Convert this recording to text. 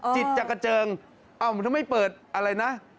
จิตจะเกจิงถ้าไม่เปิดอะไรนะ